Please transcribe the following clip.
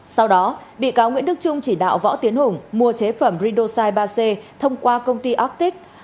sau đó bị cáo nguyễn đức trung chỉ đạo võ tiến hùng mua chế phẩm ridosite ba c thông qua công ty ortic